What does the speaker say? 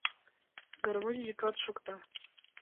Гармонь йӱкат шокта.